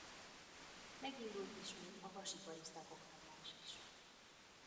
Megindult ismét a vasipari szakoktatás is.